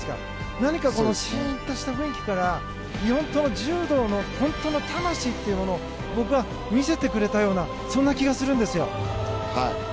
何か、シーンとした雰囲気から本当の柔道の魂というものを僕は見せてくれたようなそんな気がするんですよ。